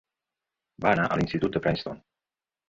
Va anar a l'institut de Princeton.